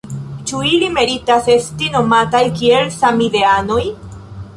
Ĉu ili meritas esti nomataj kiel ‘samideanoj’?